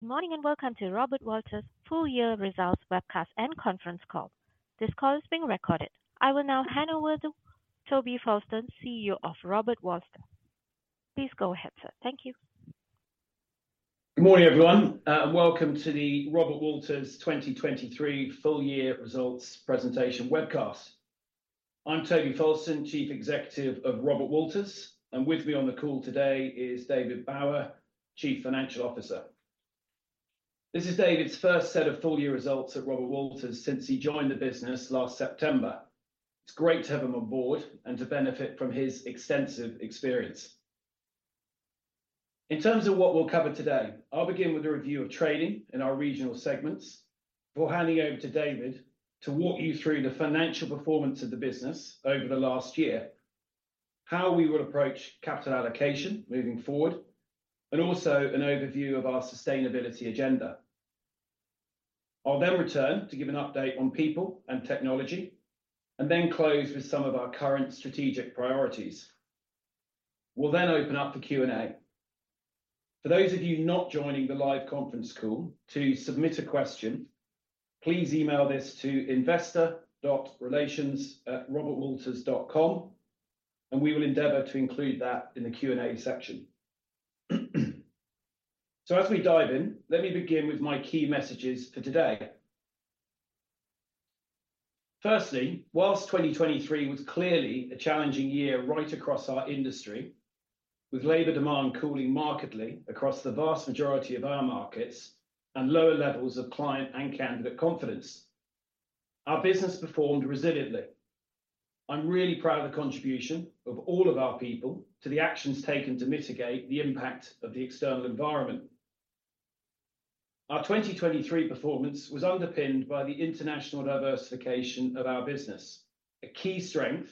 Good morning, and welcome to Robert Walters' full year results webcast and conference call. This call is being recorded. I will now hand over to Toby Fowlston, CEO of Robert Walters. Please go ahead, sir. Thank you. Good morning, everyone, and welcome to the Robert Walters 2023 full year results presentation webcast. I'm Toby Fowlston, Chief Executive of Robert Walters, and with me on the call today is David Bower, Chief Financial Officer. This is David's first set of full year results at Robert Walters since he joined the business last September. It's great to have him on board and to benefit from his extensive experience. In terms of what we'll cover today, I'll begin with a review of trading in our regional segments before handing over to David to walk you through the financial performance of the business over the last year, how we would approach capital allocation moving forward, and also an overview of our sustainability agenda. I'll then return to give an update on people and technology, and then close with some of our current strategic priorities. We'll then open up the Q&A. For those of you not joining the live conference call, to submit a question, please email this to investor.relations@robertwalters.com, and we will endeavor to include that in the Q&A section. So as we dive in, let me begin with my key messages for today. Firstly, while 2023 was clearly a challenging year right across our industry, with labor demand cooling markedly across the vast majority of our markets and lower levels of client and candidate confidence, our business performed resiliently. I'm really proud of the contribution of all of our people to the actions taken to mitigate the impact of the external environment. Our 2023 performance was underpinned by the international diversification of our business, a key strength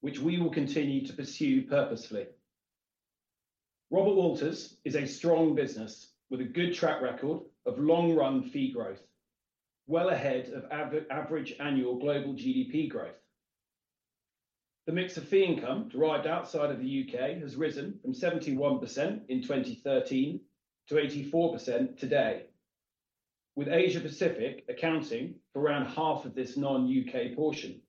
which we will continue to pursue purposefully. Robert Walters is a strong business with a good track record of long-run fee growth, well ahead of average annual global GDP growth. The mix of fee income derived outside of the U.K. has risen from 71% in 2013 to 84% today, with Asia Pacific accounting for around half of this non-U.K. portion.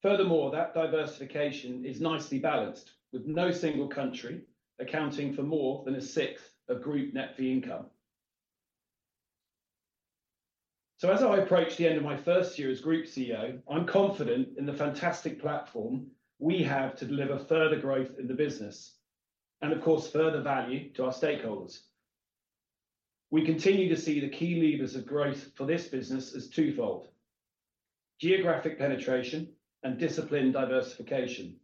Furthermore, that diversification is nicely balanced, with no single country accounting for more than a sixth of group net fee income. So as I approach the end of my first year as Group CEO, I'm confident in the fantastic platform we have to deliver further growth in the business and, of course, further value to our stakeholders. We continue to see the key levers of growth for this business as twofold: geographic penetration and disciplined diversification,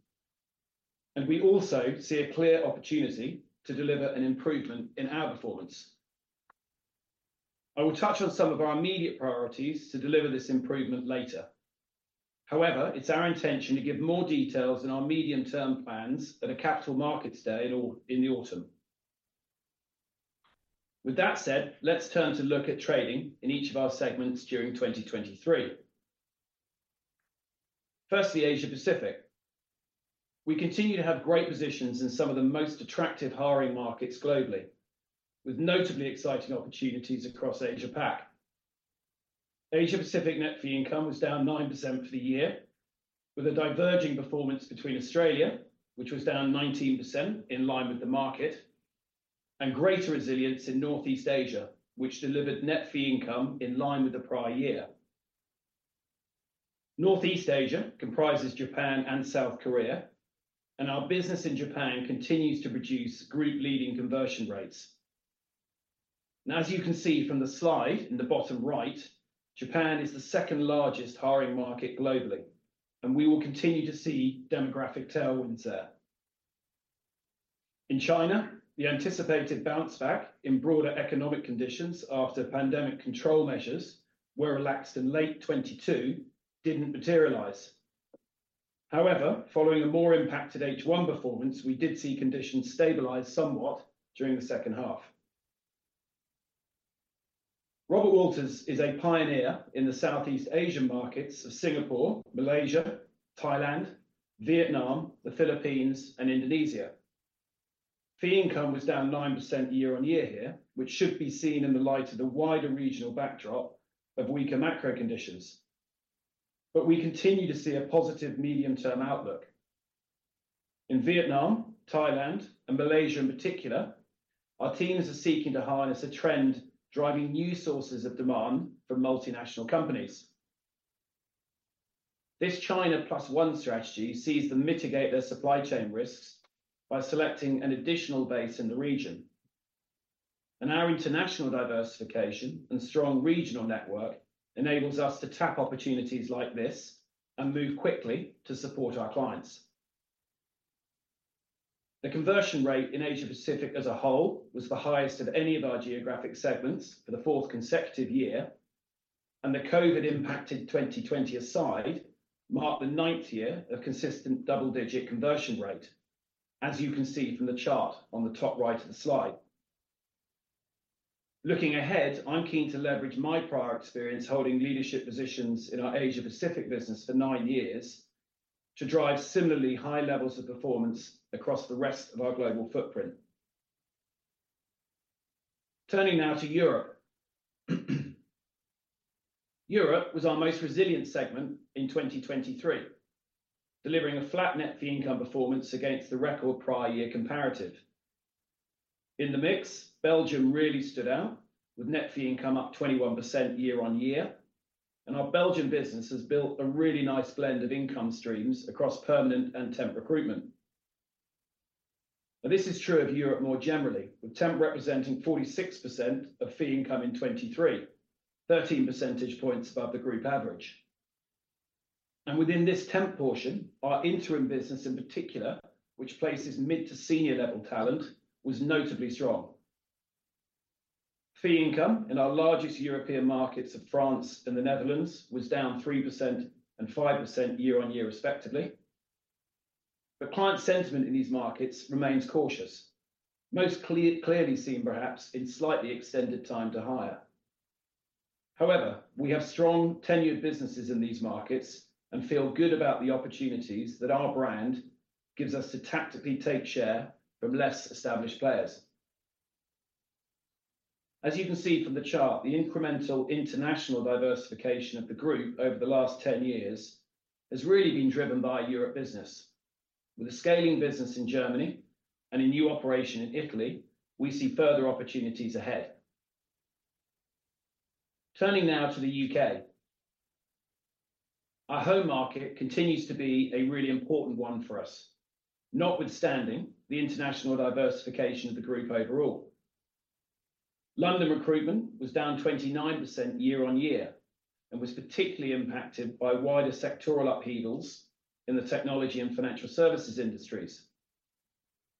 and we also see a clear opportunity to deliver an improvement in our performance. I will touch on some of our immediate priorities to deliver this improvement later. However, it's our intention to give more details in our medium-term plans at a capital markets day in the autumn. With that said, let's turn to look at trading in each of our segments during 2023. Firstly, Asia Pacific. We continue to have great positions in some of the most attractive hiring markets globally, with notably exciting opportunities across Asia Pac. Asia Pacific net fee income was down 9% for the year, with a diverging performance between Australia, which was down 19% in line with the market, and greater resilience in Northeast Asia, which delivered net fee income in line with the prior year. Northeast Asia comprises Japan and South Korea, and our business in Japan continues to produce group-leading conversion rates. Now, as you can see from the slide in the bottom right, Japan is the second-largest hiring market globally, and we will continue to see demographic tailwinds there. In China, the anticipated bounce back in broader economic conditions after pandemic control measures were relaxed in late 2022 didn't materialize. However, following a more impacted H1 performance, we did see conditions stabilize somewhat during the second half. Robert Walters is a pioneer in the Southeast Asian markets of Singapore, Malaysia, Thailand, Vietnam, the Philippines and Indonesia. Fee income was down 9% year-on-year here, which should be seen in the light of the wider regional backdrop of weaker macro conditions. But we continue to see a positive medium-term outlook. In Vietnam, Thailand, and Malaysia in particular, our teams are seeking to harness a trend driving new sources of demand from multinational companies. This China Plus One strategy sees them mitigate their supply chain risks by selecting an additional base in the region, and our international diversification and strong regional network enables us to tap opportunities like this and move quickly to support our clients. The conversion rate in Asia Pacific as a whole was the highest of any of our geographic segments for the fourth consecutive year, and the COVID-impacted 2020 aside, marked the ninth year of consistent double-digit conversion rate, as you can see from the chart on the top right of the slide. Looking ahead, I'm keen to leverage my prior experience holding leadership positions in our Asia Pacific business for nine years... to drive similarly high levels of performance across the rest of our global footprint. Turning now to Europe. Europe was our most resilient segment in 2023, delivering a flat net fee income performance against the record prior year comparative. In the mix, Belgium really stood out, with net fee income up 21% year-on-year, and our Belgian business has built a really nice blend of income streams across permanent and temp recruitment. And this is true of Europe more generally, with temp representing 46% of fee income in 2023, 13 percentage points above the group average. And within this temp portion, our interim business in particular, which places mid to senior level talent, was notably strong. Fee income in our largest European markets of France and the Netherlands was down 3% and 5% year-on-year, respectively. The client sentiment in these markets remains cautious, most clearly seen, perhaps, in slightly extended time to hire. However, we have strong tenured businesses in these markets and feel good about the opportunities that our brand gives us to tactically take share from less established players. As you can see from the chart, the incremental international diversification of the group over the last 10 years has really been driven by our Europe business. With a scaling business in Germany and a new operation in Italy, we see further opportunities ahead. Turning now to the U.K. Our home market continues to be a really important one for us, notwithstanding the international diversification of the group overall. London recruitment was down 29% year-on-year, and was particularly impacted by wider sectoral upheavals in the technology and financial services industries.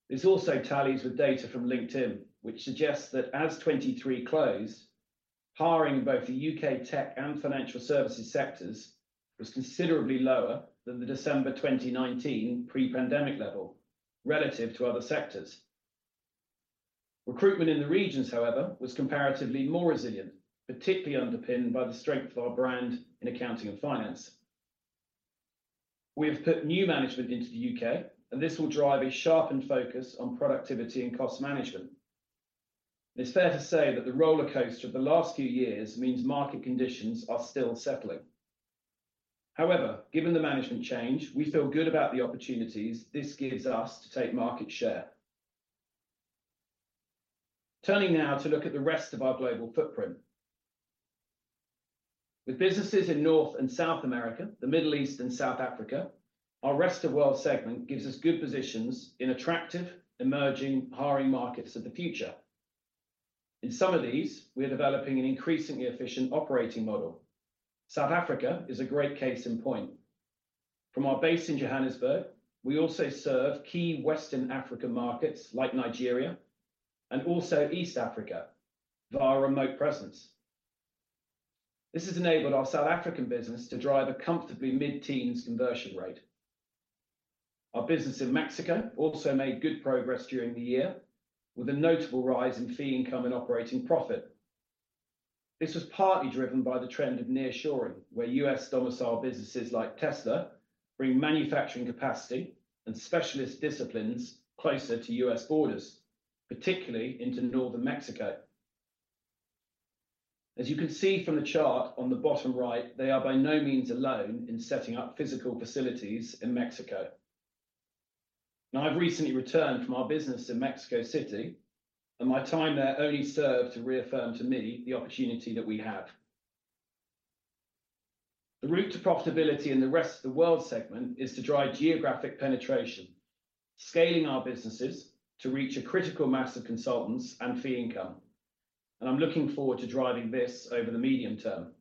This also tallies with data from LinkedIn, which suggests that as 2023 closed, hiring in both the U.K. tech and financial services sectors was considerably lower than the December 2019 pre-pandemic level relative to other sectors. Recruitment in the regions, however, was comparatively more resilient, particularly underpinned by the strength of our brand in accounting and finance. We have put new management into the U.K., and this will drive a sharpened focus on productivity and cost management. It's fair to say that the rollercoaster of the last few years means market conditions are still settling. However, given the management change, we feel good about the opportunities this gives us to take market share. Turning now to look at the rest of our global footprint. With businesses in North and South America, the Middle East and South Africa, our Rest of World segment gives us good positions in attractive, emerging hiring markets of the future. In some of these, we are developing an increasingly efficient operating model. South Africa is a great case in point. From our base in Johannesburg, we also serve key Western African markets like Nigeria and also East Africa, via our remote presence. This has enabled our South African business to drive a comfortably mid-teens conversion rate. Our business in Mexico also made good progress during the year, with a notable rise in fee income and operating profit. This was partly driven by the trend of nearshoring, where U.S. domiciled businesses like Tesla bring manufacturing capacity and specialist disciplines closer to U.S. borders, particularly into northern Mexico. As you can see from the chart on the bottom right, they are by no means alone in setting up physical facilities in Mexico. Now, I've recently returned from our business in Mexico City, and my time there only served to reaffirm to me the opportunity that we have. The route to profitability in the rest of the world segment is to drive geographic penetration, scaling our businesses to reach a critical mass of consultants and fee income, and I'm looking forward to driving this over the medium term.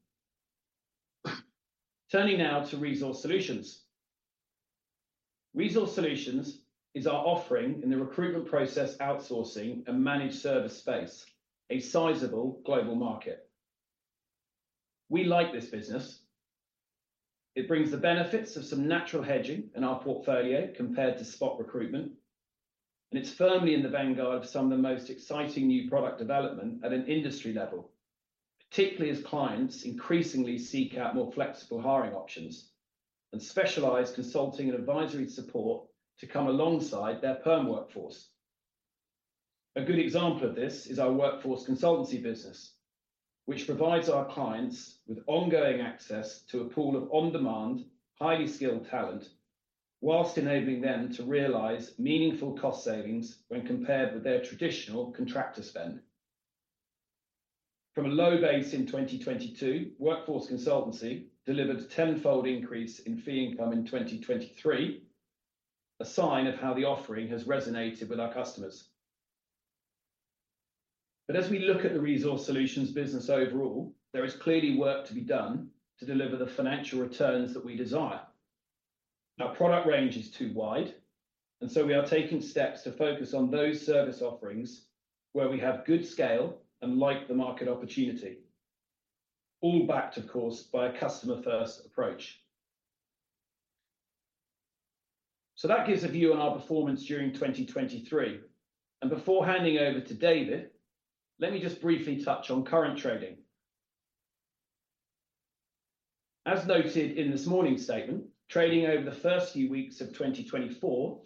Turning now to Resource Solutions. Resource Solutions is our offering in the recruitment process outsourcing and managed service space, a sizable global market. We like this business. It brings the benefits of some natural hedging in our portfolio compared to spot recruitment, and it's firmly in the vanguard of some of the most exciting new product development at an industry level. Particularly as clients increasingly seek out more flexible hiring options and specialized consulting and advisory support to come alongside their perm workforce. A good example of this is our workforce consultancy business, which provides our clients with ongoing access to a pool of on-demand, highly skilled talent, whilst enabling them to realize meaningful cost savings when compared with their traditional contractor spend. From a low base in 2022, Workforce Consultancy delivered a tenfold increase in fee income in 2023, a sign of how the offering has resonated with our customers. But as we look at the Resource Solutions business overall, there is clearly work to be done to deliver the financial returns that we desire. Our product range is too wide, and so we are taking steps to focus on those service offerings where we have good scale and like the market opportunity. All backed, of course, by a customer-first approach. So that gives a view on our performance during 2023. And before handing over to David, let me just briefly touch on current trading. As noted in this morning's statement, trading over the first few weeks of 2024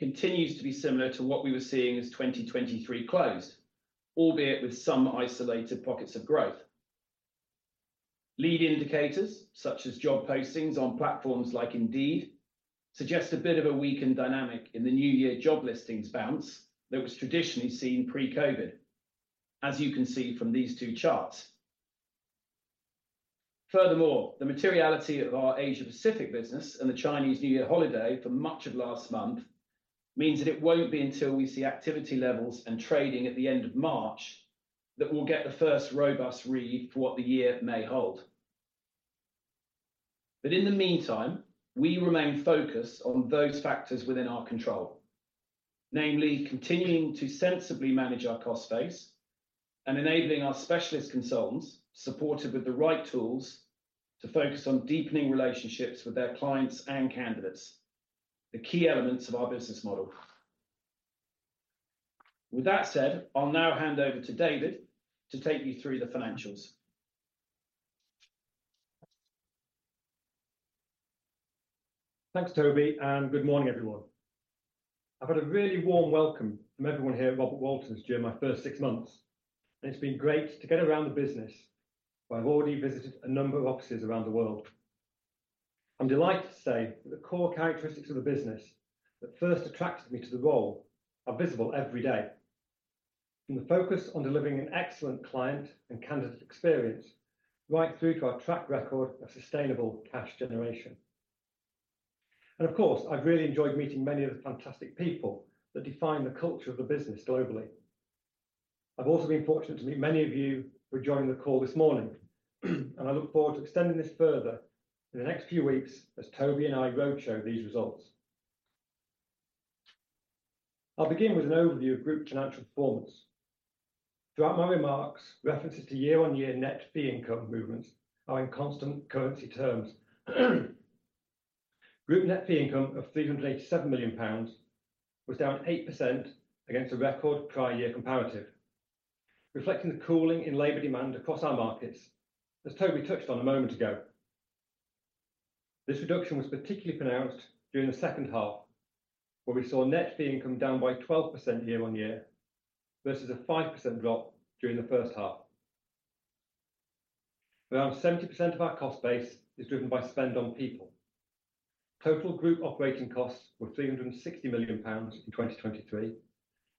continues to be similar to what we were seeing as 2023 closed, albeit with some isolated pockets of growth. Lead indicators, such as job postings on platforms like Indeed, suggest a bit of a weakened dynamic in the new year job listings bounce that was traditionally seen pre-COVID, as you can see from these two charts. Furthermore, the materiality of our Asia-Pacific business and the Chinese New Year holiday for much of last month means that it won't be until we see activity levels and trading at the end of March that we'll get the first robust read for what the year may hold. But in the meantime, we remain focused on those factors within our control. Namely, continuing to sensibly manage our cost base and enabling our specialist consultants, supported with the right tools, to focus on deepening relationships with their clients and candidates, the key elements of our business model. With that said, I'll now hand over to David to take you through the financials. Thanks, Toby, and good morning, everyone. I've had a really warm welcome from everyone here at Robert Walters during my first six months, and it's been great to get around the business, but I've already visited a number of offices around the world. I'm delighted to say that the core characteristics of the business that first attracted me to the role are visible every day. From the focus on delivering an excellent client and candidate experience, right through to our track record of sustainable cash generation. Of course, I've really enjoyed meeting many of the fantastic people that define the culture of the business globally. I've also been fortunate to meet many of you who are joining the call this morning, and I look forward to extending this further in the next few weeks as Toby and I roadshow these results. I'll begin with an overview of group financial performance. Throughout my remarks, references to year-on-year net fee income movements are in constant currency terms. Group net fee income of 387 million pounds was down 8% against a record prior year comparative, reflecting the cooling in labor demand across our markets, as Toby touched on a moment ago. This reduction was particularly pronounced during the second half, where we saw net fee income down by 12% year-on-year, versus a 5% drop during the first half. Around 70% of our cost base is driven by spend on people. Total group operating costs were 360 million pounds in 2023,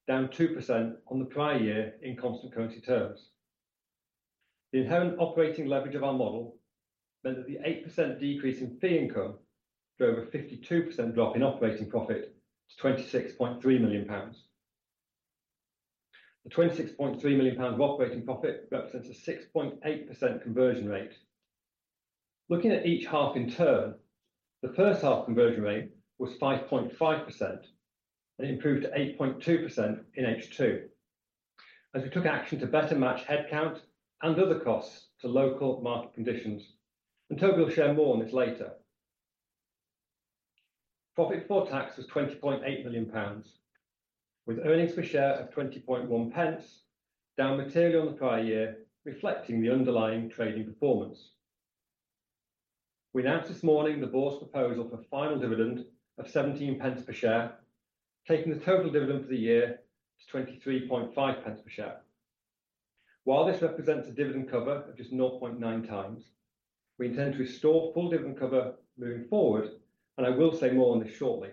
down 2% on the prior year in constant currency terms. The inherent operating leverage of our model meant that the 8% decrease in fee income drove a 52% drop in operating profit to 26.3 million pounds. The 26.3 million pounds of operating profit represents a 6.8% conversion rate. Looking at each half in turn, the first half conversion rate was 5.5%, and it improved to 8.2% in H2, as we took action to better match headcount and other costs to local market conditions, and Toby will share more on this later. Profit before tax was 20.8 million pounds, with earnings per share of 20.1 pence, down materially on the prior year, reflecting the underlying trading performance. We announced this morning the board's proposal for final dividend of 0.17 per share, taking the total dividend for the year to 0.235 per share. While this represents a dividend cover of just 0.9 times, we intend to restore full dividend cover moving forward, and I will say more on this shortly.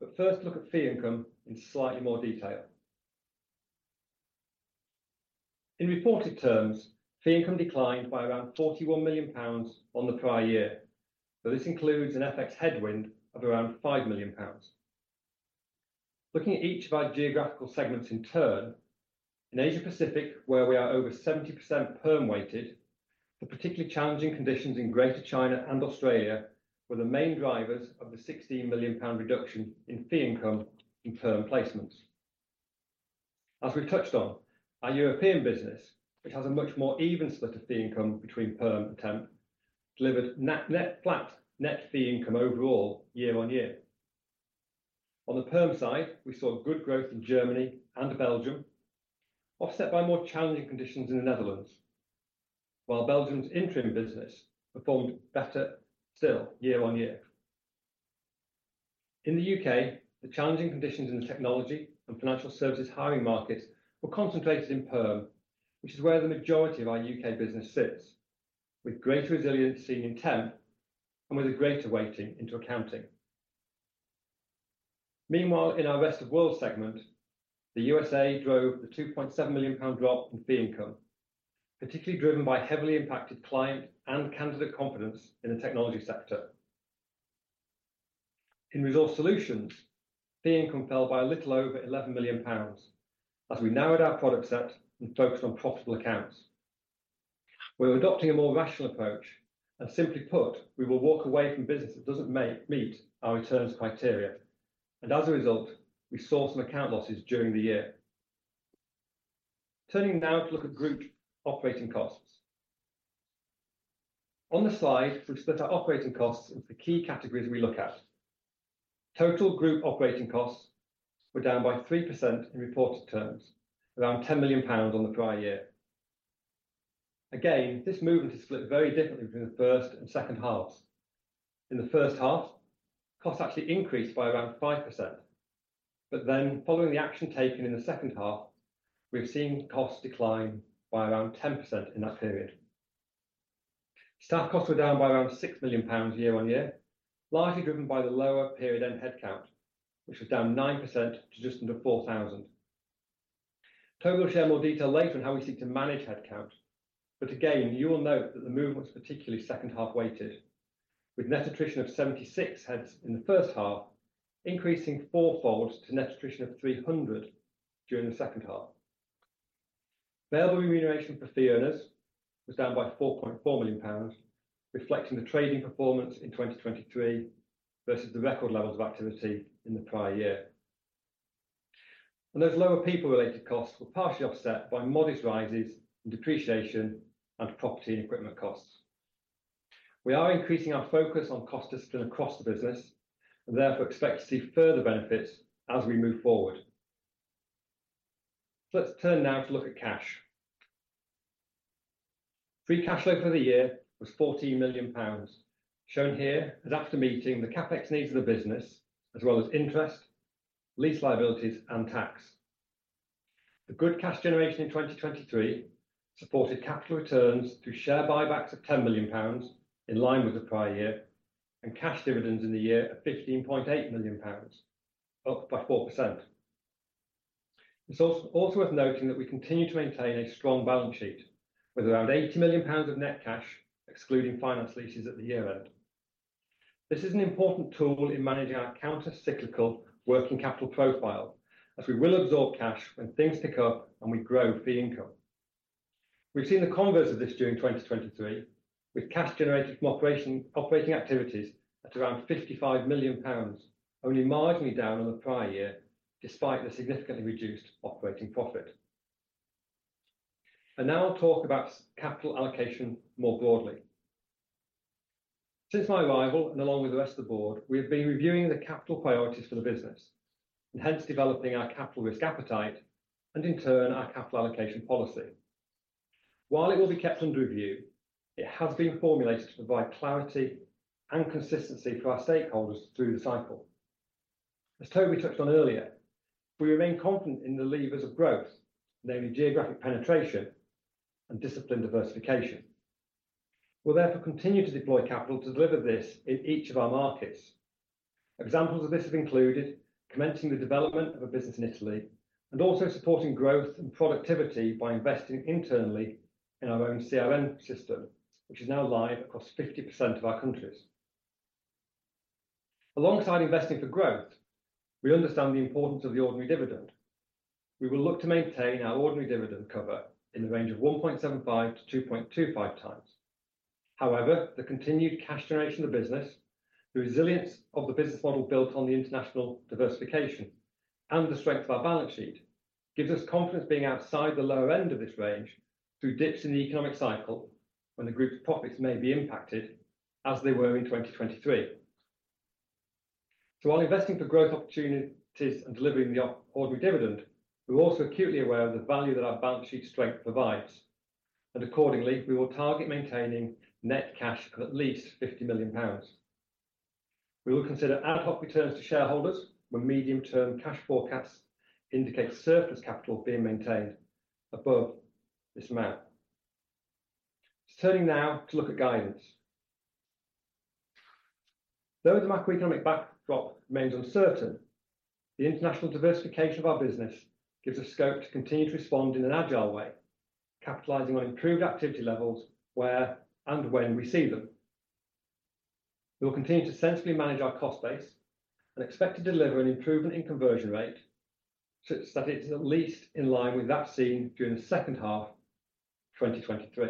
But first, look at fee income in slightly more detail. In reported terms, fee income declined by around 41 million pounds on the prior year, though this includes an FX headwind of around 5 million pounds. Looking at each of our geographical segments in turn, in Asia Pacific, where we are over 70% perm-weighted, the particularly challenging conditions in Greater China and Australia were the main drivers of the 16 million pound reduction in fee income in perm placements. As we touched on, our European business, which has a much more even split of fee income between perm and temp, delivered flat net fee income overall year-over-year. On the perm side, we saw good growth in Germany and Belgium, offset by more challenging conditions in the Netherlands, while Belgium's interim business performed better still year-over-year. In the U.K., the challenging conditions in the technology and financial services hiring markets were concentrated in perm, which is where the majority of our U.K. business sits, with greater resiliency in temp and with a greater weighting into accounting. Meanwhile, in our Rest of World segment, the U.S.A drove the 2.7 million pound drop in fee income, particularly driven by heavily impacted client and candidate confidence in the technology sector. In Resource Solutions, fee income fell by a little over 11 million pounds as we narrowed our product set and focused on profitable accounts. We're adopting a more rational approach, and simply put, we will walk away from business that doesn't meet our returns criteria, and as a result, we saw some account losses during the year. Turning now to look at group operating costs. On this slide, we've split our operating costs into the key categories we look at. Total group operating costs were down by 3% in reported terms, around 10 million pounds on the prior year. Again, this movement is split very differently between the first and second halves. In the first half, costs actually increased by around 5%, but then following the action taken in the second half, we've seen costs decline by around 10% in that period. Staff costs were down by around 6 million pounds year-on-year, largely driven by the lower period-end headcount, which was down 9% to just under 4,000. Toby will share more detail later on how we seek to manage headcount, but again, you will note that the movement is particularly second-half weighted, with net attrition of 76 heads in the first half, increasing fourfold to net attrition of 300 during the second half. Variable remuneration for fee earners was down by 4.4 million pounds, reflecting the trading performance in 2023 versus the record levels of activity in the prior year. And those lower people-related costs were partially offset by modest rises in depreciation and property and equipment costs. We are increasing our focus on cost discipline across the business, and therefore expect to see further benefits as we move forward. Let's turn now to look at cash. Free cash flow for the year was 14 million pounds, shown here as after meeting the CapEx needs of the business, as well as interest, lease liabilities, and tax. The good cash generation in 2023 supported capital returns through share buybacks of 10 million pounds, in line with the prior year, and cash dividends in the year of 15.8 million pounds, up by 4%. It's also worth noting that we continue to maintain a strong balance sheet, with around 80 million pounds of net cash, excluding finance leases at the year-end. This is an important tool in managing our countercyclical working capital profile, as we will absorb cash when things tick up and we grow fee income. We've seen the converse of this during 2023, with cash generated from operating activities at around 55 million pounds, only marginally down on the prior year, despite the significantly reduced operating profit. Now I'll talk about capital allocation more broadly. Since my arrival, and along with the rest of the board, we have been reviewing the capital priorities for the business, and hence developing our capital risk appetite and in turn, our capital allocation policy. While it will be kept under review, it has been formulated to provide clarity and consistency for our stakeholders through the cycle. As Toby touched on earlier, we remain confident in the levers of growth, namely geographic penetration and disciplined diversification. We'll therefore continue to deploy capital to deliver this in each of our markets. Examples of this have included commencing the development of a business in Italy, and also supporting growth and productivity by investing internally in our own CRM system, which is now live across 50% of our countries. Alongside investing for growth, we understand the importance of the ordinary dividend. We will look to maintain our ordinary dividend cover in the range of 1.75-2.25x. However, the continued cash generation of business, the resilience of the business model built on the international diversification, and the strength of our balance sheet, gives us confidence being outside the lower end of this range through dips in the economic cycle when the group's profits may be impacted, as they were in 2023. So while investing for growth opportunities and delivering the ordinary dividend, we're also acutely aware of the value that our balance sheet strength provides, and accordingly, we will target maintaining net cash of at least 50 million pounds. We will consider ad hoc returns to shareholders when medium-term cash forecasts indicate surplus capital being maintained above this amount. Turning now to look at guidance. Though the macroeconomic backdrop remains uncertain, the international diversification of our business gives us scope to continue to respond in an agile way, capitalizing on improved activity levels where and when we see them. We will continue to sensibly manage our cost base and expect to deliver an improvement in conversion rate, such that it's at least in line with that seen during the second half of 2023.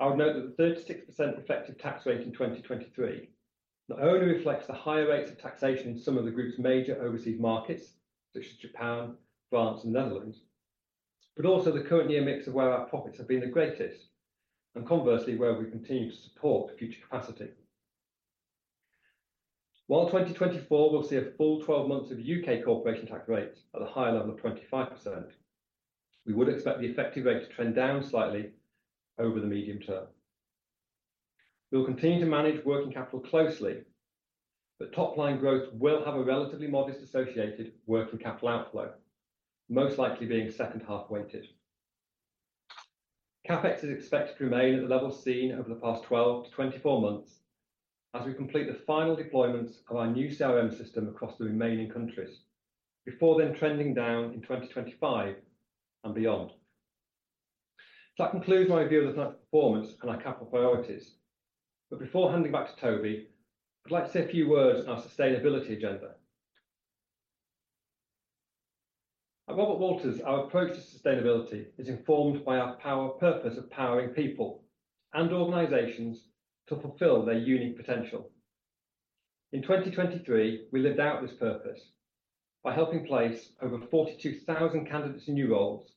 I would note that the 36% effective tax rate in 2023 not only reflects the higher rates of taxation in some of the group's major overseas markets, such as Japan, France, and Netherlands, but also the current year mix of where our profits have been the greatest, and conversely, where we continue to support future capacity. While 2024 will see a full 12 months of U.K. corporation tax rates at a higher level of 25%, we would expect the effective rate to trend down slightly over the medium term. We will continue to manage working capital closely, but top-line growth will have a relatively modest associated working capital outflow, most likely being second-half weighted. CapEx is expected to remain at the level seen over the past 12-24 months as we complete the final deployments of our new CRM system across the remaining countries, before then trending down in 2025 and beyond. So that concludes my overview of the last performance and our capital priorities. But before handing back to Toby, I'd like to say a few words on our sustainability agenda. At Robert Walters, our approach to sustainability is informed by our purpose of powering people and organizations to fulfill their unique potential. In 2023, we lived out this purpose by helping place over 42,000 candidates in new roles,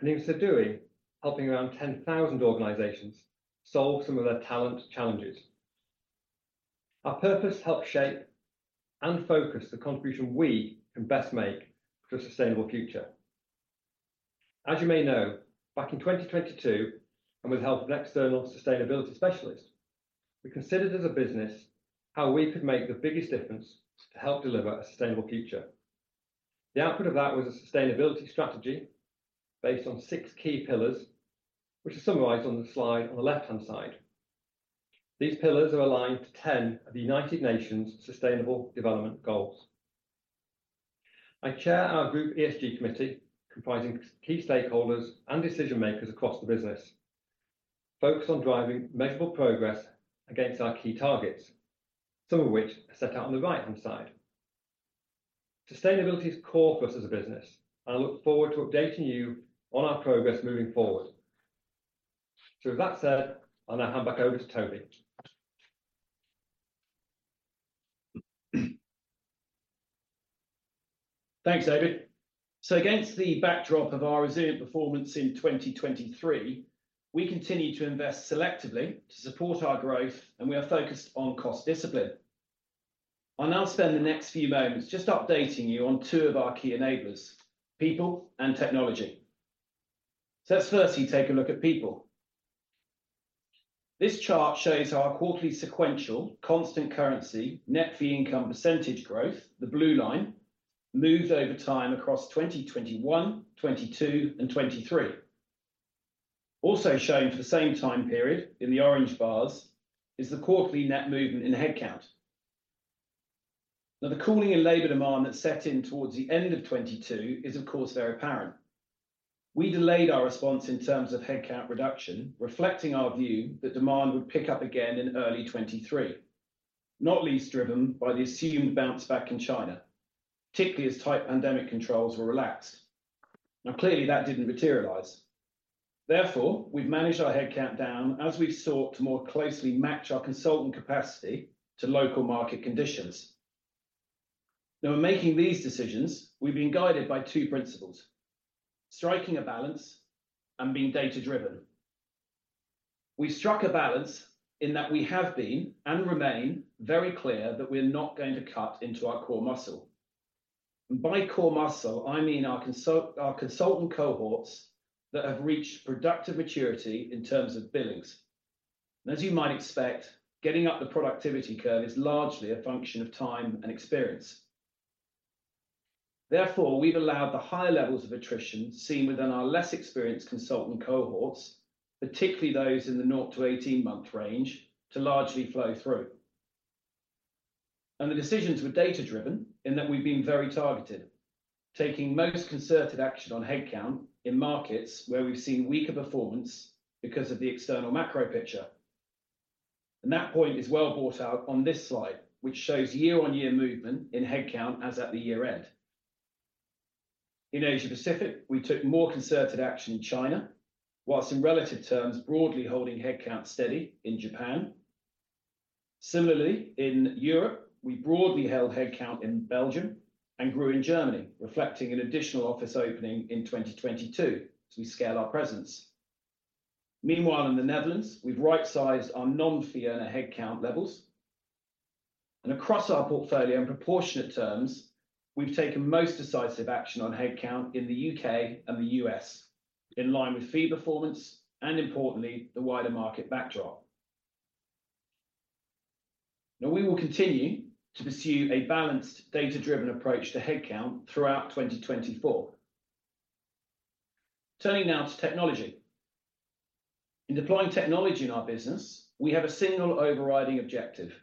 and in so doing, helping around 10,000 organizations solve some of their talent challenges. Our purpose helped shape and focus the contribution we can best make for a sustainable future. As you may know, back in 2022, and with the help of an external sustainability specialist, we considered as a business how we could make the biggest difference to help deliver a sustainable future. The output of that was a sustainability strategy based on six key pillars, which are summarized on the slide on the left-hand side. These pillars are aligned to 10 of the United Nations Sustainable Development Goals. I chair our group ESG committee, comprising key stakeholders and decision-makers across the business, focused on driving measurable progress against our key targets, some of which are set out on the right-hand side. Sustainability is core for us as a business, and I look forward to updating you on our progress moving forward. So with that said, I'll now hand back over to Toby. Thanks, David. So against the backdrop of our resilient performance in 2023, we continued to invest selectively to support our growth, and we are focused on cost discipline. I'll now spend the next few moments just updating you on two of our key enablers: people and technology. So let's firstly take a look at people. This chart shows our quarterly sequential, constant currency, net fee income percentage growth, the blue line, moved over time across 2021, 2022, and 2023. Also shown for the same time period in the orange bars, is the quarterly net movement in headcount. Now, the cooling in labor demand that set in towards the end of 2022 is, of course, very apparent. We delayed our response in terms of headcount reduction, reflecting our view that demand would pick up again in early 2023, not least driven by the assumed bounce back in China, particularly as tight pandemic controls were relaxed. Now, clearly, that didn't materialize. Therefore, we've managed our headcount down as we've sought to more closely match our consultant capacity to local market conditions. Now, in making these decisions, we've been guided by two principles: striking a balance and being data-driven. We struck a balance in that we have been, and remain, very clear that we're not going to cut into our core muscle. By core muscle, I mean our consultant cohorts that have reached productive maturity in terms of billings. As you might expect, getting up the productivity curve is largely a function of time and experience. Therefore, we've allowed the higher levels of attrition seen within our less experienced consultant cohorts, particularly those in the zero to 18-month range, to largely flow through. The decisions were data-driven, in that we've been very targeted, taking most concerted action on headcount in markets where we've seen weaker performance because of the external macro picture. That point is well brought out on this slide, which shows year-on-year movement in headcount as at the year-end. In Asia-Pacific, we took more concerted action in China, while in relative terms, broadly holding headcount steady in Japan. Similarly, in Europe, we broadly held headcount in Belgium and grew in Germany, reflecting an additional office opening in 2022 as we scale our presence. Meanwhile, in the Netherlands, we've right-sized our non-fee earner headcount levels. And across our portfolio, in proportionate terms, we've taken most decisive action on headcount in the U.K. and the U.S., in line with fee performance, and importantly, the wider market backdrop. Now, we will continue to pursue a balanced, data-driven approach to headcount throughout 2024. Turning now to technology. In deploying technology in our business, we have a single overriding objective: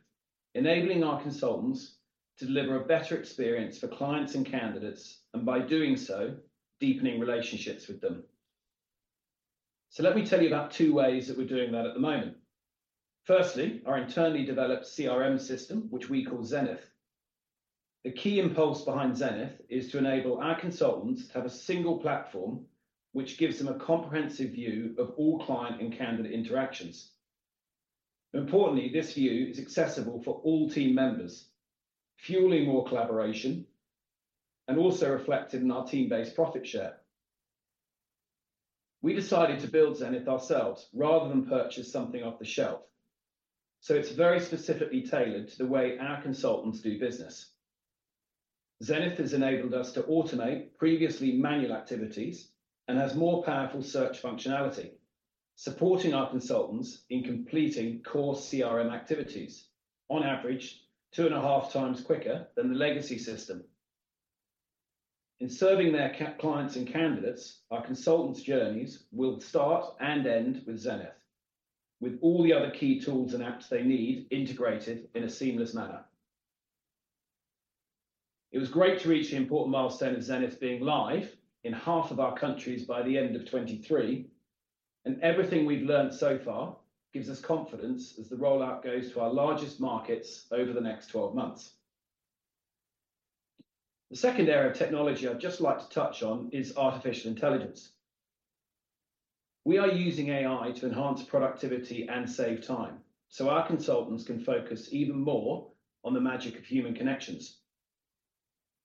enabling our consultants to deliver a better experience for clients and candidates, and by doing so, deepening relationships with them. So let me tell you about two ways that we're doing that at the moment. Firstly, our internally developed CRM system, which we call Zenith. The key impulse behind Zenith is to enable our consultants to have a single platform, which gives them a comprehensive view of all client and candidate interactions. Importantly, this view is accessible for all team members, fueling more collaboration, and also reflected in our team-based profit share. We decided to build Zenith ourselves rather than purchase something off the shelf, so it's very specifically tailored to the way our consultants do business. Zenith has enabled us to automate previously manual activities and has more powerful search functionality, supporting our consultants in completing core CRM activities, on average, 2.5x quicker than the legacy system. In serving their clients and candidates, our consultants' journeys will start and end with Zenith, with all the other key tools and apps they need integrated in a seamless manner. It was great to reach the important milestone of Zenith being live in half of our countries by the end of 2023, and everything we've learned so far gives us confidence as the rollout goes to our largest markets over the next 12 months. The second area of technology I'd just like to touch on is artificial intelligence. We are using AI to enhance productivity and save time, so our consultants can focus even more on the magic of human connections.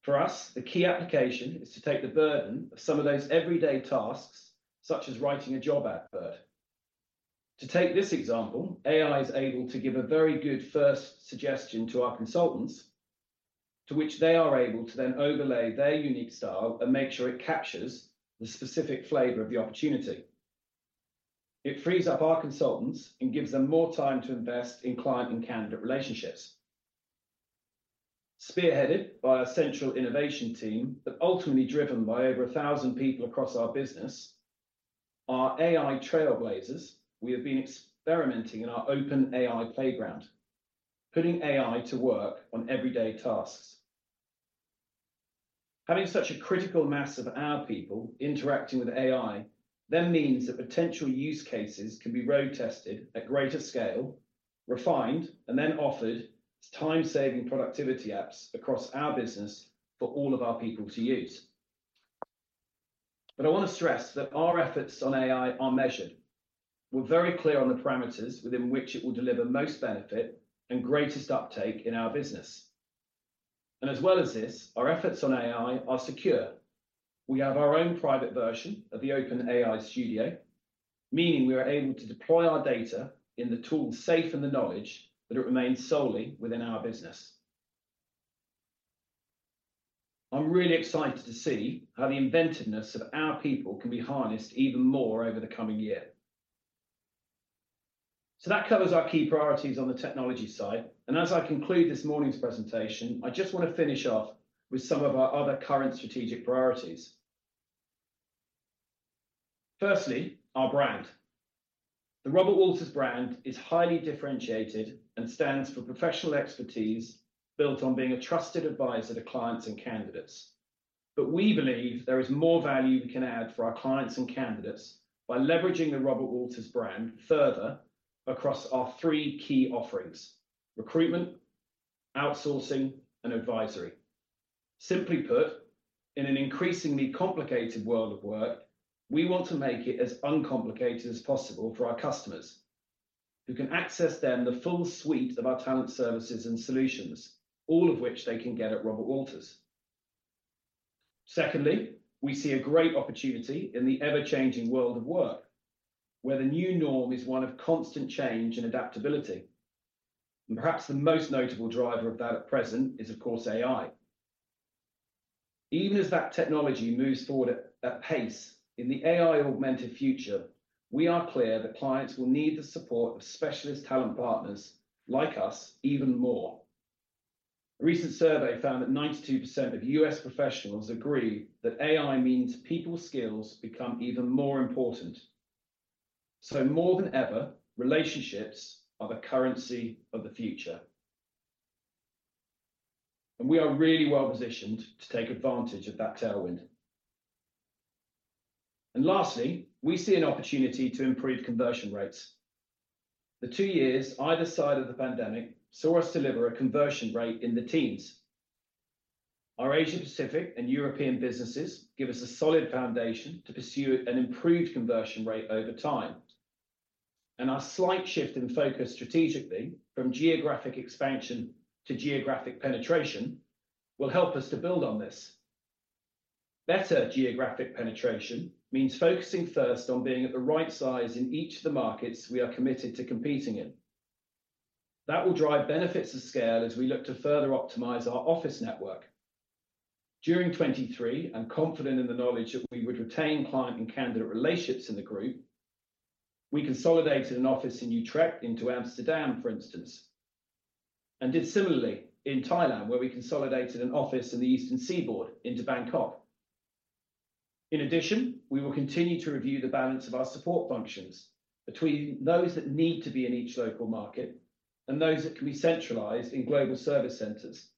For us, the key application is to take the burden of some of those everyday tasks, such as writing a job advert. To take this example, AI is able to give a very good first suggestion to our consultants, to which they are able to then overlay their unique style and make sure it captures the specific flavor of the opportunity. It frees up our consultants and gives them more time to invest in client and candidate relationships. Spearheaded by our central innovation team, but ultimately driven by over 1,000 people across our business, our AI trailblazers, we have been experimenting in our OpenAI playground, putting AI to work on everyday tasks. Having such a critical mass of our people interacting with AI, then means that potential use cases can be road tested at greater scale, refined, and then offered as time-saving productivity apps across our business for all of our people to use. But I want to stress that our efforts on AI are measured. We're very clear on the parameters within which it will deliver most benefit and greatest uptake in our business. And as well as this, our efforts on AI are secure. We have our own private version of the OpenAI studio, meaning we are able to deploy our data in the tool, safe in the knowledge that it remains solely within our business. I'm really excited to see how the inventiveness of our people can be harnessed even more over the coming year. So that covers our key priorities on the technology side, and as I conclude this morning's presentation, I just want to finish off with some of our other current strategic priorities. Firstly, our brand. The Robert Walters brand is highly differentiated and stands for professional expertise, built on being a trusted advisor to clients and candidates. But we believe there is more value we can add for our clients and candidates by leveraging the Robert Walters brand further across our three key offerings: recruitment, outsourcing, and advisory. Simply put, in an increasingly complicated world of work, we want to make it as uncomplicated as possible for our customers, who can access then the full suite of our talent, services, and solutions, all of which they can get at Robert Walters. Secondly, we see a great opportunity in the ever-changing world of work, where the new norm is one of constant change and adaptability. And perhaps the most notable driver of that at present is, of course, AI. Even as that technology moves forward at pace, in the AI-augmented future, we are clear that clients will need the support of specialist talent partners like us even more. A recent survey found that 92% of U.S. professionals agree that AI means people skills become even more important. So more than ever, relationships are the currency of the future. We are really well positioned to take advantage of that tailwind. Lastly, we see an opportunity to improve conversion rates. The two years either side of the pandemic saw us deliver a conversion rate in the teens. Our Asia Pacific and European businesses give us a solid foundation to pursue an improved conversion rate over time, and our slight shift in focus strategically from geographic expansion to geographic penetration will help us to build on this. Better geographic penetration means focusing first on being at the right size in each of the markets we are committed to competing in. That will drive benefits of scale as we look to further optimize our office network. During 2023, and confident in the knowledge that we would retain client and candidate relationships in the group, we consolidated an office in Utrecht into Amsterdam, for instance, and did similarly in Thailand, where we consolidated an office in the Eastern Seaboard into Bangkok. In addition, we will continue to review the balance of our support functions between those that need to be in each local market and those that can be centralized in global service centers,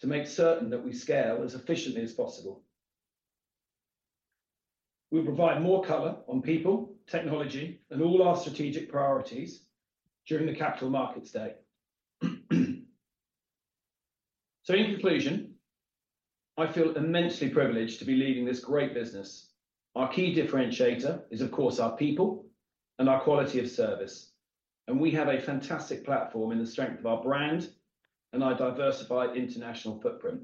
to make certain that we scale as efficiently as possible. We'll provide more color on people, technology, and all our strategic priorities during the Capital Markets Day. So in conclusion, I feel immensely privileged to be leading this great business. Our key differentiator is, of course, our people and our quality of service, and we have a fantastic platform in the strength of our brand and our diversified international footprint.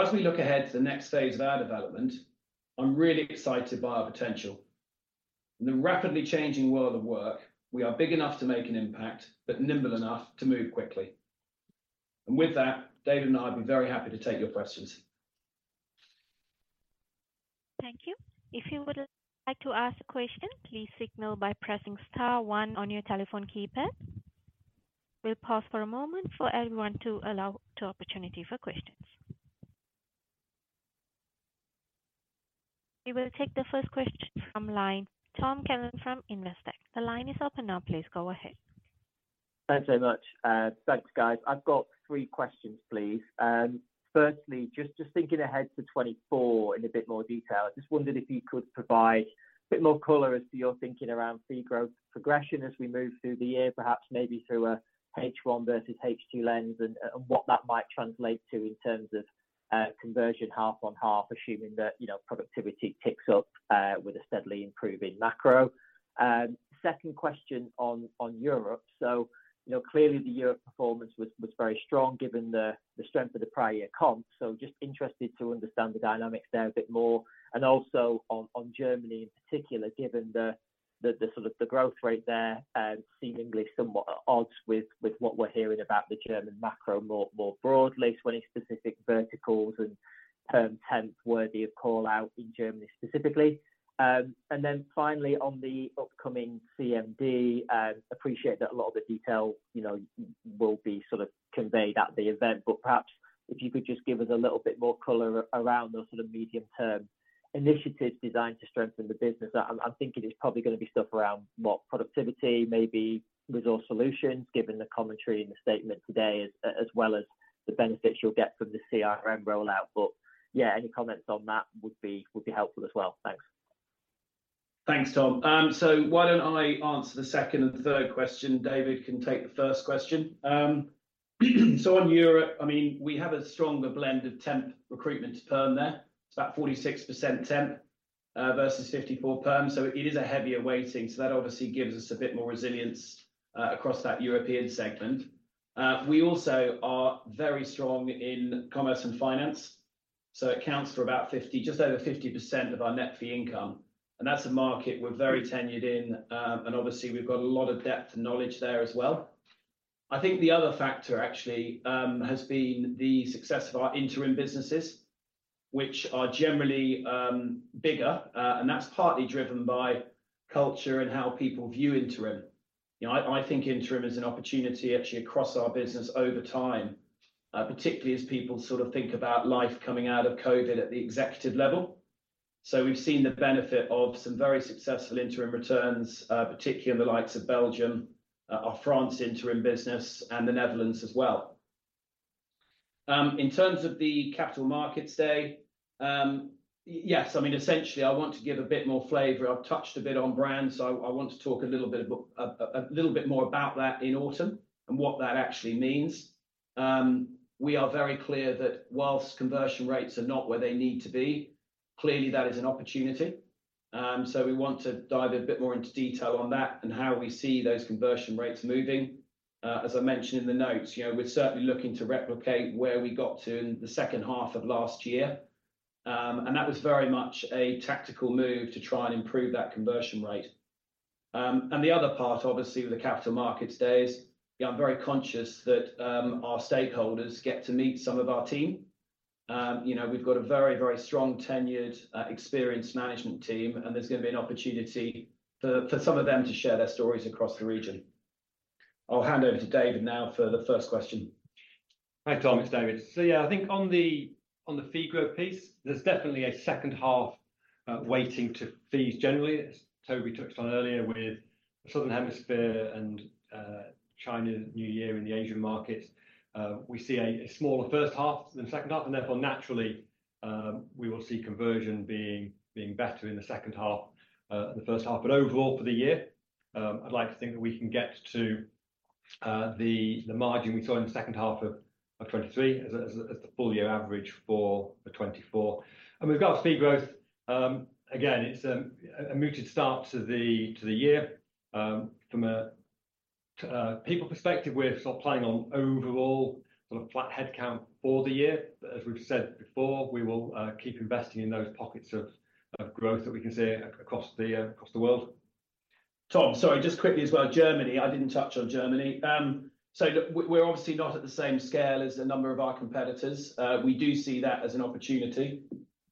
As we look ahead to the next stage of our development, I'm really excited by our potential. In the rapidly changing world of work, we are big enough to make an impact, but nimble enough to move quickly. With that, David and I would be very happy to take your questions. Thank you. If you would like to ask a question, please signal by pressing star one on your telephone keypad. We'll pause for a moment for everyone to allow the opportunity for questions. We will take the first question from line, Tom Callan from Investec. The line is open now. Please go ahead. Thanks so much. Thanks, guys. I've got three questions, please. Firstly, just thinking ahead to 2024 in a bit more detail, I just wondered if you could provide a bit more color as to your thinking around fee growth progression as we move through the year, perhaps maybe through a H1 versus H2 lens, and what that might translate to in terms of conversion half on half, assuming that, you know, productivity ticks up with a steadily improving macro. Second question on Europe. So, you know, clearly the Europe performance was very strong, given the strength of the prior year comp. So just interested to understand the dynamics there a bit more, and also on Germany in particular, given the sort of growth rate there, seemingly somewhat at odds with what we're hearing about the German macro more broadly, any specific verticals and term temp worthy of call out in Germany specifically. And then finally, on the upcoming CMD, appreciate that a lot of the detail, you know, will be sort of conveyed at the event, but perhaps if you could just give us a little bit more color around the sort of medium-term initiatives designed to strengthen the business. I'm thinking it's probably gonna be stuff around what productivity, maybe Resource Solutions, given the commentary in the statement today, as well as the benefits you'll get from the CRM rollout. But yeah, any comments on that would be, would be helpful as well. Thanks. Thanks, Tom. So why don't I answer the second and third question, David can take the first question. So on Europe, I mean, we have a stronger blend of temp recruitment to perm there. It's about 46% temp, versus 54 perm, so it is a heavier weighting, so that obviously gives us a bit more resilience, across that European segment. We also are very strong in commerce and finance, so it accounts for about fifty... just over 50% of our net fee income, and that's a market we're very tenured in. And obviously we've got a lot of depth and knowledge there as well. I think the other factor actually, has been the success of our interim businesses, which are generally, bigger, and that's partly driven by culture and how people view interim. You know, I think interim is an opportunity actually across our business over time, particularly as people sort of think about life coming out of COVID at the executive level. So we've seen the benefit of some very successful interim returns, particularly in the likes of Belgium, our France interim business, and the Netherlands as well. In terms of the Capital Markets Day, yes, I mean, essentially, I want to give a bit more flavor. I've touched a bit on brand, so I want to talk a little bit, a little bit more about that in autumn and what that actually means. We are very clear that while conversion rates are not where they need to be, clearly that is an opportunity. So we want to dive a bit more into detail on that and how we see those conversion rates moving. As I mentioned in the notes, you know, we're certainly looking to replicate where we got to in the second half of last year. And that was very much a tactical move to try and improve that conversion rate. And the other part, obviously, with the Capital Markets Day is, you know, I'm very conscious that our stakeholders get to meet some of our team. You know, we've got a very, very strong, tenured, experienced management team, and there's gonna be an opportunity for some of them to share their stories across the region. I'll hand over to David now for the first question. Hi, Tom, it's David. So yeah, I think on the fee growth piece, there's definitely a second half weighting to fees. Generally, as Toby touched on earlier, with Southern Hemisphere and China New Year in the Asian markets, we see a smaller first half than the second half, and therefore, naturally, we will see conversion being better in the second half than the first half. But overall, for the year, I'd like to think that we can get to the margin we saw in the second half of 2023 as the full year average for 2024. And we've got fee growth. Again, it's a muted start to the year. From a people perspective, we're sort of planning on overall sort of flat headcount for the year. But as we've said before, we will keep investing in those pockets of growth that we can see across the world. Tom, sorry, just quickly as well, Germany, I didn't touch on Germany. So look, we, we're obviously not at the same scale as a number of our competitors. We do see that as an opportunity.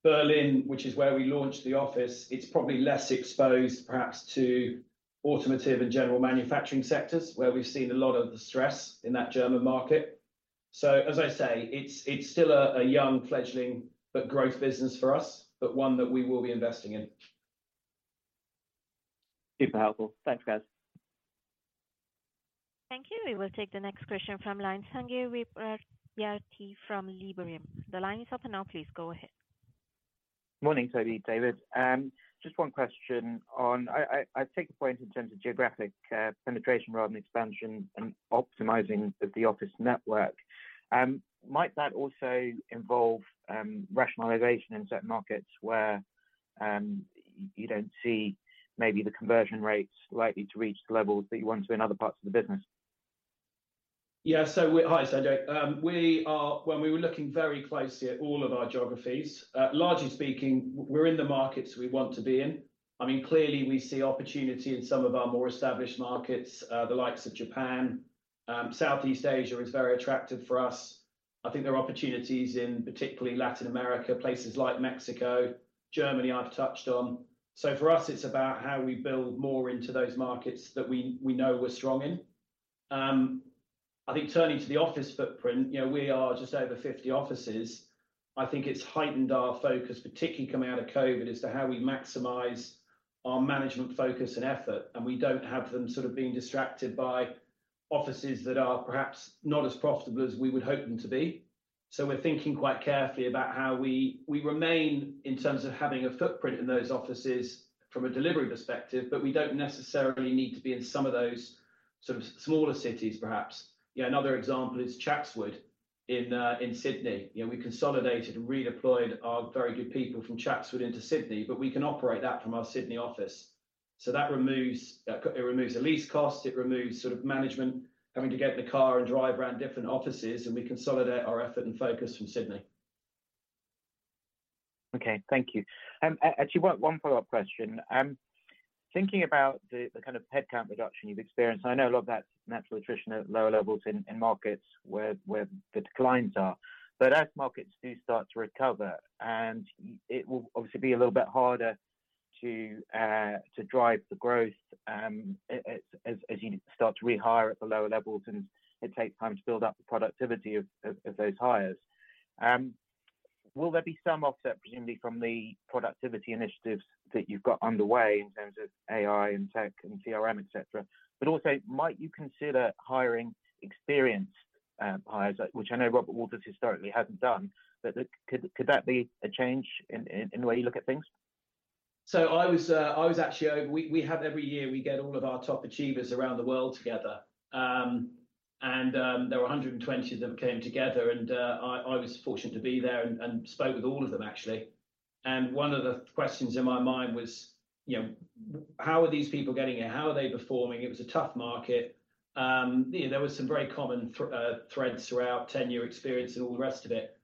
Berlin, which is where we launched the office, it's probably less exposed, perhaps, to automotive and general manufacturing sectors, where we've seen a lot of the stress in that German market. So as I say, it's still a young fledgling, but growth business for us, but one that we will be investing in. Super helpful. Thanks, guys. Thank you. We will take the next question from line, Sanjay Vidyarthi from Liberum. The line is open now, please go ahead. Morning, Toby, David. Just one question on-- I take your point in terms of geographic penetration rather than expansion and optimizing the office network. Might that also involve rationalization in certain markets where you don't see maybe the conversion rates likely to reach the levels that you want to in other parts of the business? Hi, Sanjay. We are, well we were looking very closely at all of our geographies. Largely speaking, we're in the markets we want to be in. I mean, clearly, we see opportunity in some of our more established markets, the likes of Japan. Southeast Asia is very attractive for us. I think there are opportunities in particularly Latin America, places like Mexico, Germany, I've touched on. So for us, it's about how we build more into those markets that we know we're strong in. I think turning to the office footprint, you know, we are just over 50 offices. I think it's heightened our focus, particularly coming out of COVID, as to how we maximize our management focus and effort, and we don't have them sort of being distracted by offices that are perhaps not as profitable as we would hope them to be. So we're thinking quite carefully about how we remain in terms of having a footprint in those offices from a delivery perspective, but we don't necessarily need to be in some of those sort of smaller cities, perhaps. Yeah, another example is Chatswood in Sydney. You know, we consolidated and redeployed our very good people from Chatswood into Sydney, but we can operate that from our Sydney office. So that removes a lease cost, it removes sort of management having to get in the car and drive around different offices, and we consolidate our effort and focus from Sydney. Okay, thank you. Actually, one follow-up question. Thinking about the kind of headcount reduction you've experienced, I know a lot of that's natural attrition at lower levels in markets where the declines are. But as markets do start to recover, and it will obviously be a little bit harder to drive the growth, as you start to rehire at the lower levels, and it takes time to build up the productivity of those hires. Will there be some offset presumably from the productivity initiatives that you've got underway in terms of AI and tech and CRM, et cetera, but also, might you consider hiring experienced hires, which I know Robert Walters historically hasn't done, but could that be a change in the way you look at things? So I was actually. We have every year, we get all of our top achievers around the world together. There were 120 of them came together, and I was fortunate to be there and spoke with all of them, actually. And one of the questions in my mind was, you know, how are these people getting here? How are they performing? It was a tough market. You know, there was some very common threads throughout, tenure, experience, and all the rest of it.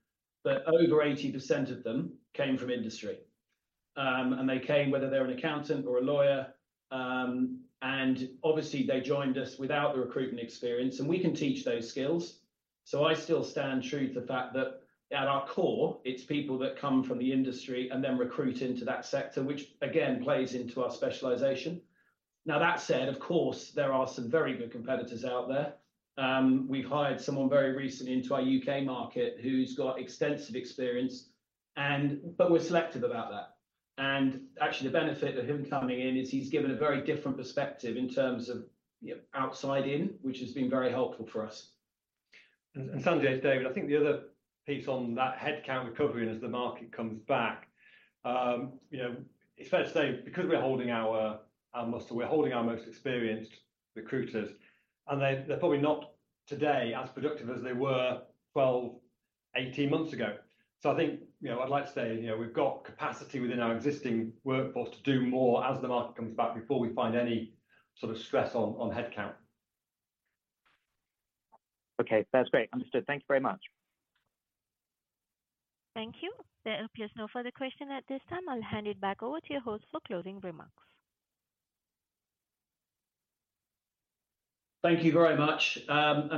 But over 80% of them came from industry. They came, whether they're an accountant or a lawyer, and obviously they joined us without the recruitment experience, and we can teach those skills. So I still stand true to the fact that at our core, it's people that come from the industry and then recruit into that sector, which again, plays into our specialization. Now, that said, of course, there are some very good competitors out there. We hired someone very recently into our U.K. market who's got extensive experience, and but we're selective about that. And actually, the benefit of him coming in is he's given a very different perspective in terms of, you know, outside in, which has been very helpful for us. And Sanjay, it's David. I think the other piece on that headcount recovery as the market comes back, you know, it's fair to say, because we're holding our most experienced recruiters, and they're probably not today as productive as they were 12, 18 months ago. So I think, you know, I'd like to say, you know, we've got capacity within our existing workforce to do more as the market comes back before we find any sort of stress on headcount. Okay, that's great. Understood. Thank you very much. Thank you. There appears no further question at this time. I'll hand it back over to your host for closing remarks. Thank you very much.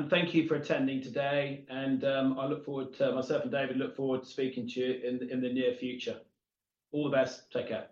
Thank you for attending today, and I look forward to-- Myself and David look forward to speaking to you in the near future. All the best. Take care.